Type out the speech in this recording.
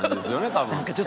多分。